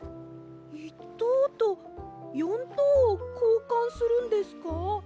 １とうと４とうをこうかんするんですか？